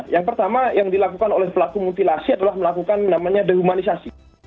yang pertama yang dilakukan oleh pelaku mutilasi adalah melakukan namanya dehumanisasi